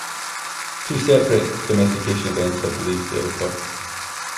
Two separate domestication events are believed to have occurred.